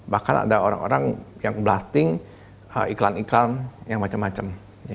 bahkan ada orang orang yang blasting iklan iklan yang macam macam